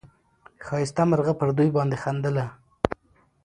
ښایسته مرغه پر دوی باندي خندله